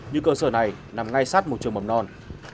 như cơ sở này nằm ngay sát một trường mầm non